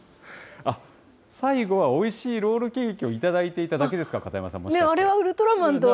最後はおいしいロールケーキを頂いていただけですか、片山さあれはウルトラマンとは。